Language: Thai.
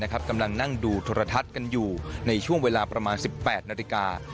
กำลังดูค่าวิทยาชาติกันอยู่ในช่วงเวลาประมาณ๑๘นาติกา